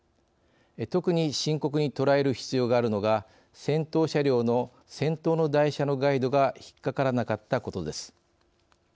特に深刻に捉える必要があるのが先頭車両の先頭の台車のガイドが引っ掛からなかったことです。